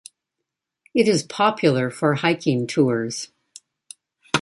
It is popular for hiking tours.